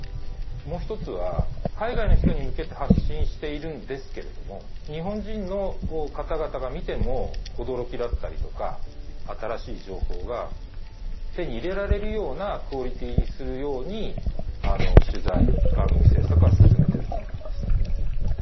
もう一つは海外の人に向けて発信しているんですけれども日本人の方々が見ても驚きだったりとか新しい情報が手に入れられるようなクオリティーにするように取材・番組制作は進めてるつもりです。